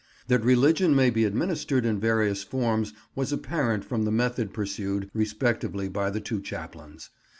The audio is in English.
That religion may be administered in various forms was apparent from the method pursued respectively by the two chaplains.